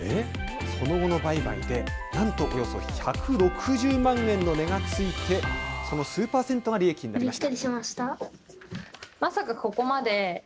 その後の売買で、なんとおよそ１６０万円の値がついて、その数％が利益になりました。